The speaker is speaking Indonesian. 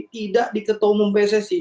tidak di ketua umum pssi